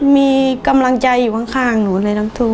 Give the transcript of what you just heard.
มีกำลังใจอยู่ข้างหนูในน้ำทู